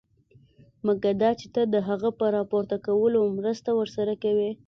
مګر دا چې ته د هغه په راپورته کولو مرسته ورسره کوې.